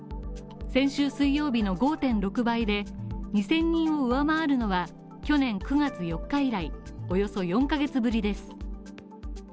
先週水曜日の５．６倍で２０００人を上回るのは去年９月４日以来、およそ４ヶ月ぶりです。